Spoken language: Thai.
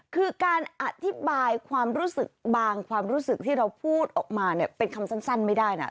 คือการอธิบายความรู้สึกบางความรู้สึกที่เราพูดออกมาเนี่ยเป็นคำสั้นไม่ได้นะ